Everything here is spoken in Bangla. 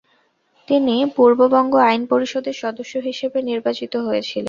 তিনি পূর্ববঙ্গ আইন পরিষদের সদস্য হিসেবে নির্বাচিত হয়েছিলেন।